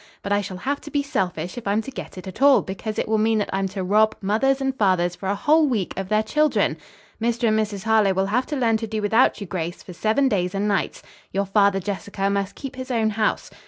But I shall have to be selfish if I'm to get it all, because it will mean that I'm to rob mothers and fathers for a whole week of their children. Mr. and Mrs. Harlowe will have to learn to do without you, Grace, for seven days and nights. Your father, Jessica, must keep his own house.